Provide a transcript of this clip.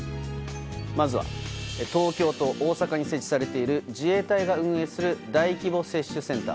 まずは東京と大阪に設置されている自衛隊が運営する大規模接種センター。